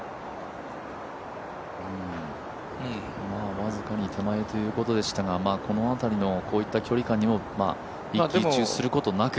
僅かに手前ということでしたが、この辺りのこういった距離感にも一喜一憂することなく。